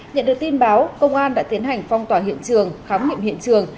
nhận được tin báo công an đã tiến hành phong tỏa hiện trường khám nghiệm hiện trường